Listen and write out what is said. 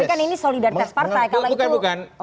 tapi kan ini solidaritas partai kalau itu